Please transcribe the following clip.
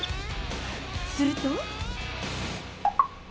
すると。